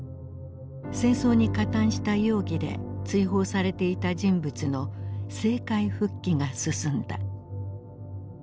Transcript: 戦争に加担した容疑で追放されていた人物の政界復帰が進んだ。